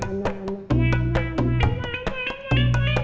kapan aku bisa kayak gitu